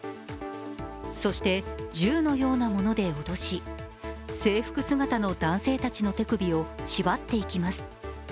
そして銃のようなもので脅し、制服姿の男性たちの手首を縛っていきます。